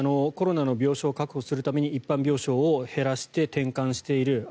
コロナの病床確保するために一般病床を減らして転換している。